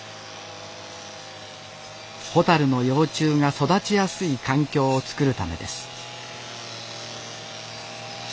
ホタルの幼虫が育ちやすい環境を作るためです